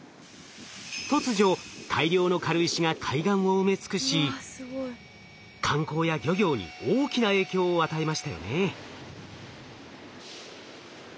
突如大量の軽石が海岸を埋め尽くし観光や漁業に大きな影響を与えましたよね。